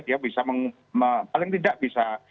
dia bisa paling tidak bisa